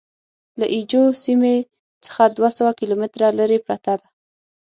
له اي جو سیمې څخه دوه سوه کیلومتره لرې پرته ده.